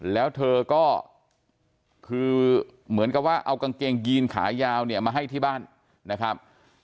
แล้วเธอก็คือเหมือนกับว่าเอากางเกงยีนขายาวเนี่ยมาให้ที่บ้านนะครับ